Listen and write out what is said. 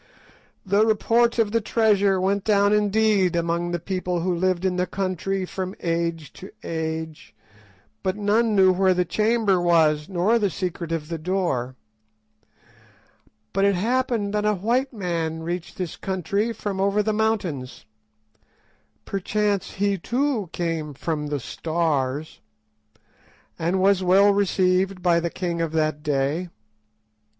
The report of the treasure went down indeed among the people who lived in the country from age to age, but none knew where the chamber was, nor the secret of the door. But it happened that a white man reached this country from over the mountains—perchance he too came 'from the Stars'—and was well received by the king of that day.